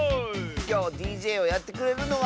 きょうＤＪをやってくれるのは。